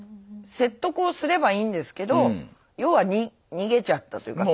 説得をすればいいんですけど要は逃げちゃったというか。